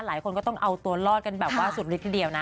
หลายคนก็ต้องเอาตัวรอดกันแบบว่าสุดลิดทีเดียวนะ